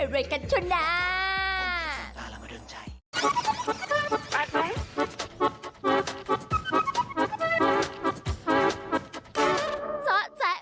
รวยกันช่วงหน้า